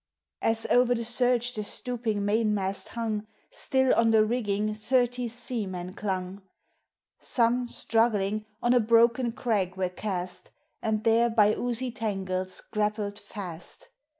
As o'er the surge the stooping mainmast hung, Still on the rigging thirty seamen clung; Borne, struggling, on a broken crag were cast, And there by oozy tangles grappled fast.